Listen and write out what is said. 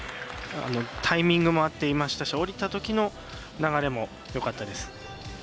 タイミングも合っていましたし降りたあとの流れもよかったです。